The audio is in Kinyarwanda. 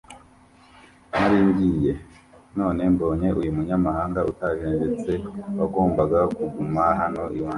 Nari ngiye; none, mbonye uyu munyamahanga utajenjetse, wagombaga kuguma hano iwanjye